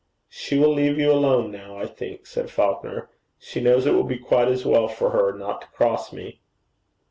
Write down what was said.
'She will leave you alone now, I think,' said Falconer. 'She knows it will be quite as well for her not to cross me.'